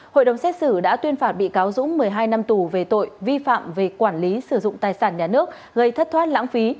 hội đồng xét xử đã tuyên phạt bị cáo dũng một mươi hai năm tù về tội vi phạm về quản lý sử dụng tài sản nhà nước gây thất thoát lãng phí